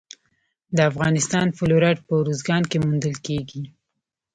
د افغانستان فلورایټ په ارزګان کې موندل کیږي.